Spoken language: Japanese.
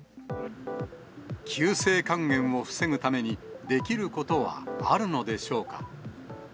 急性肝炎を防ぐために、できることはあるのでしょうか。